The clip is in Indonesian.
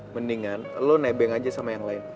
mendingan lo nebeng aja sama yang lain